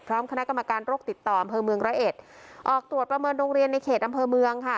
คณะกรรมการโรคติดต่ออำเภอเมืองร้อยเอ็ดออกตรวจประเมินโรงเรียนในเขตอำเภอเมืองค่ะ